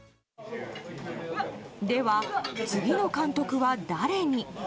では、次の監督は誰に？